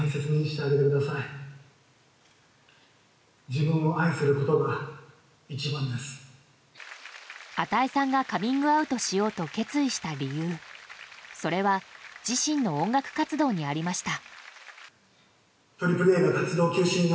カミングアウトすることについて與さんは。與さんがカミングアウトしようと決意した理由それは自身の音楽活動にありました。